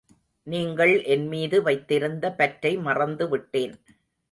நீங்கள் என்மீது வைத்திருந்த பற்றை மறந்து விட்டேன்.